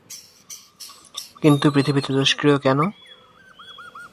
কিন্তু পৃথিবী তেজস্ক্রিয় কেন?